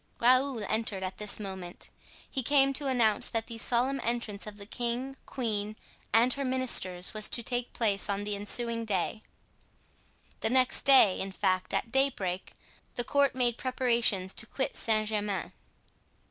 Raoul entered at this moment; he came to announce that the solemn entrance of the king, queen, and her ministers was to take place on the ensuing day. The next day, in fact, at daybreak, the court made preparations to quit Saint Germain.